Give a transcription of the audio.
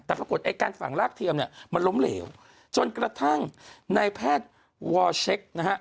แต่ปรากฏไอ้การฝังลากเทียมเนี่ยมันล้มเหลวจนกระทั่งในแพทย์วอร์เช็คนะฮะ